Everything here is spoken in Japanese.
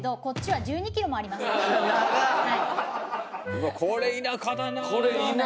うわっこれ田舎だな。